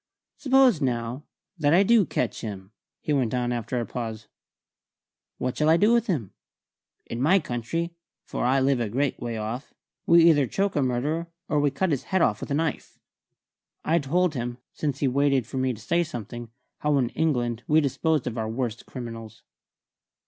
"Suppose, now, that I do catch him," he went on after a pause. "What shall I do with him? In my country for I live a great way off we either choke a murderer or cut off his head with a knife." I told him since he waited for me to say something how in England we disposed of our worst criminals.